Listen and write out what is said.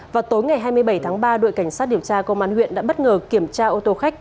vào tối ngày hai mươi bảy tháng ba đội cảnh sát điều tra công an huyện đã bất ngờ kiểm tra ô tô khách